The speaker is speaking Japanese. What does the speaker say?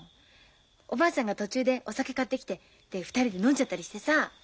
おばあさんが途中でお酒買ってきて２人で飲んじゃったりしてさ。